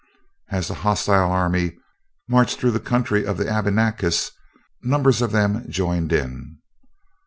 As the hostile army marched through the country of the Abenakis, numbers of them joined it.